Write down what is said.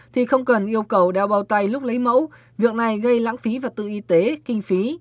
thì không cần yêu cầu đeo bao tay lúc lấy mẫu việc này gây lãng phí vật tư y tế kinh phí